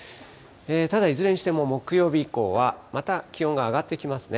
ただ、いずれにしても木曜日以降は、また気温が上がってきますね。